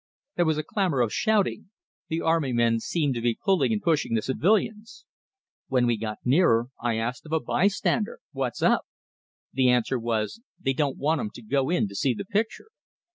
There was a clamor of shouting; the army men seemed to be pulling and pushing the civilians. When we got nearer, I asked of a bystander, "What's up?" The answer was: "They don't want 'em to go in to see the picture."